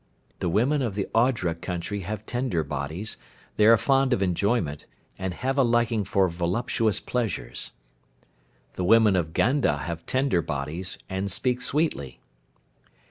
The women of the Audhra country have tender bodies, they are fond of enjoyment, and have a liking for voluptuous pleasures. The women of Ganda have tender bodies, and speak sweetly.